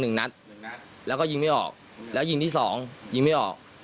หนึ่งนัดหนึ่งนัดแล้วก็ยิงไม่ออกแล้วยิงที่สองยิงไม่ออก